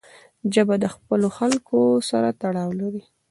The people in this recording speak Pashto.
ژبه د خپلو خلکو سره تړاو لري